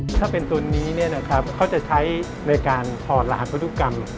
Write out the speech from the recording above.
ถ้าเป็นตัวนี้เขาจะใช้ในการถอดลาพุทธกรรม